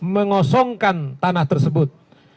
mengosongkan tanah tersebut